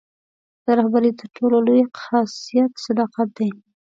د رهبرۍ تر ټولو لوی خاصیت صداقت دی.